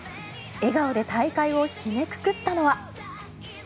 笑顔で大会を締めくくったのは？